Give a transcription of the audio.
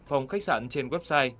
phòng khách sạn trên website